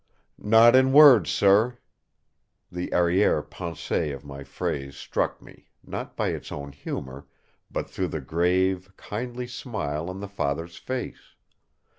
"Not in words, sir." The arriere pensee of my phrase struck me, not by its own humour, but through the grave, kindly smile on the father's face.